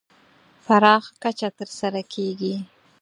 پراخه کچه تر سره کېږي.